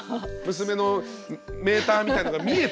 娘のメーターみたいのが見えてね。